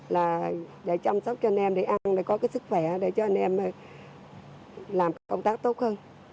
là để chăm sóc cho anh em để ăn này có cái sức khỏe để cho anh em làm công tác tốt hơn